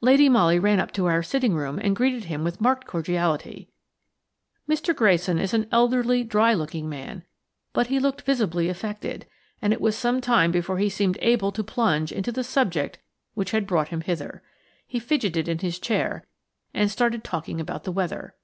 Lady Molly ran up to our sitting room and greeted him with marked cordiality. Mr. Grayson is an elderly dry looking man, but he looked visibly affected, and it was some time before he seemed able to plunge into the subject which had brought him hither. He fidgeted in his chair, and started talking about the weather.